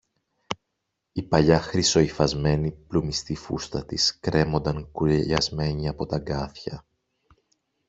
Η παλιά χρυσοϋφασμένη πλουμιστή φούστα της κρέμονταν κουρελιασμένη από τ' αγκάθια